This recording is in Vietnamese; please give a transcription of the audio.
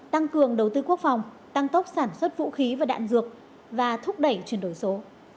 tăng cường đầu tư quốc phòng tăng tốc sản xuất vũ khí và đạn dược và thúc đẩy chuyển đổi số